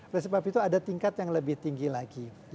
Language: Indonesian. oleh sebab itu ada tingkat yang lebih tinggi lagi